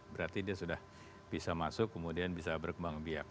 berarti dia sudah bisa masuk kemudian bisa berkembang biak